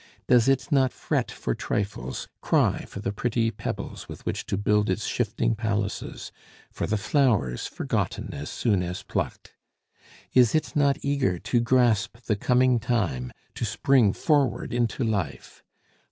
Does it not fret for trifles, cry for the pretty pebbles with which to build its shifting palaces, for the flowers forgotten as soon as plucked? Is it not eager to grasp the coming time, to spring forward into life?